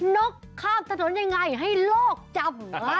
นกข้ามถนนยังไงให้โลกจำ